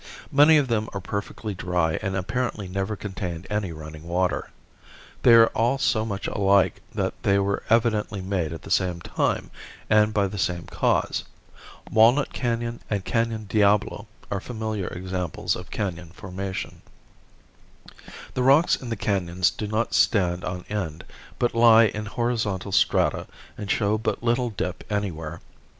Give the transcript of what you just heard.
Many of them are perfectly dry and apparently never contained any running water. They are all so much alike that they were evidently made at the same time and by the same cause. Walnut Canon and Canon Diablo are familiar examples of canon formation. The rocks in the canons do not stand on end, but lie in horizontal strata and show but little dip anywhere.